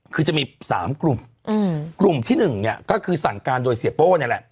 คือจะมี๓กลุ่มกลุ่มที่๑เนี่ยก็คือสั่งการโดยเสียโป้นี่แหละ